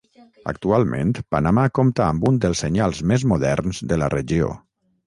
Actualment, Panamà compta amb un dels senyals més moderns de la regió.